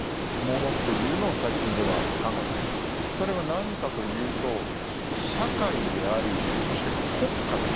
それは何かというと社会でありそして国家なんですね。